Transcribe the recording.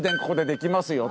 ここでできます